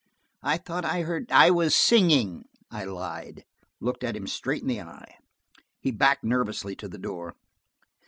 "I thought I heard–" "I was singing," I lied, looking him straight in the eye. He backed nervously to the door.